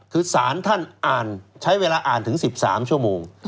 คือสารท่านอ่านใช้เวลาอ่านถึง๑๓ชั่วโมง